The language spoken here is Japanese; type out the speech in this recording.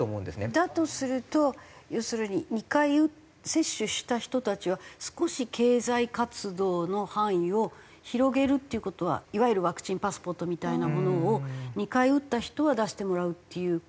だとすると要するに２回接種した人たちは少し経済活動の範囲を広げるっていう事はいわゆるワクチンパスポートみたいなものを２回打った人は出してもらうっていう？